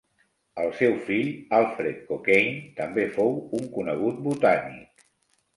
El seu fill, Alfred Cockayne, també fou un conegut botànic.